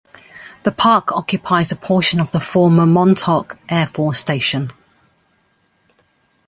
The park occupies a portion of the former Montauk Air Force Station.